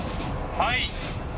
はい。